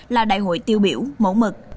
là đại hội tiêu biểu mẫu mực